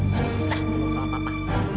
susah soal papa